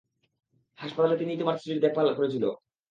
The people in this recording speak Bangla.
হাসপাতালে তিনিই তোমার স্ত্রীর দেখভাল করেছিল।